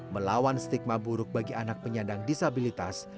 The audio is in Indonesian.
melawan stigma buruk bagi anak penyandang disabilitas